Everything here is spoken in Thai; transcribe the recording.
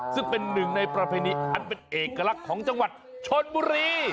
ซึ่งเป็นหนึ่งในประเพณีอันเป็นเอกลักษณ์ของจังหวัดชนบุรี